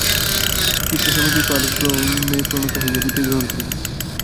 শিষ্য স্বামীজীর পাদপদ্মে প্রণত হইয়া বিদায় গ্রহণ করিল।